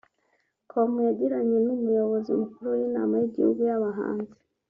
com yagiranye n'umuyobozi mukuru w'inama y'igihugu y'abahanzi